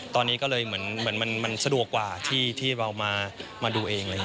ตอนนี้ก็เลยเหมือนมันสะดวกกว่าที่เรามาดูเอง